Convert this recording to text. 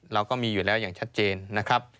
เราก็มีอยู่แล้วอย่างชัดเจนนะครับ